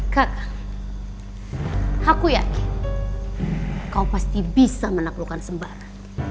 kakak aku yakin kau pasti bisa menaklukkan sembara